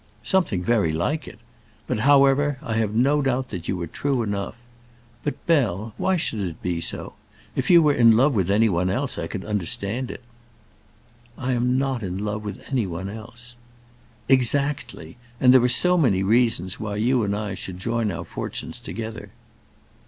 "Something very like it. But, however, I have no doubt you were true enough. But, Bell, why should it be so? If you were in love with any one else I could understand it." "I am not in love with any one else." "Exactly. And there are so many reasons why you and I should join our fortunes together."